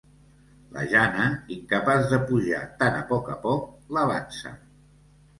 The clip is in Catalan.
La Jana, incapaç de pujar tan a poc a poc, l'avança.